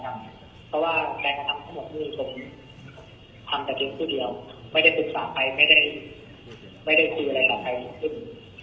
เพราะว่าแกกระทับทั้งหมดมือผมทำแต่ตัวเดียวไม่ได้ศึกษาไปไม่ได้คุยอะไรกับใคร